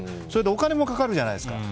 お金もかかるじゃないですか。